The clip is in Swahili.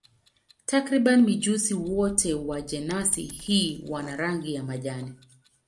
Takriban mijusi wote wa jenasi hii wana rangi ya majani.